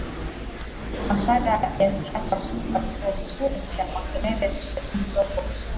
maswala ya siasa kutoka chuo kikuu cha makerere dokta john zokwa